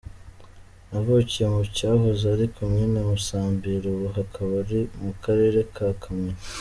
Navukiye mu cyahoze ari komini Musambira ubu hakaba ari mu karere ka Kamonyi.